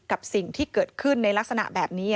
กับสิ่งที่เกิดขึ้นในลักษณะแบบนี้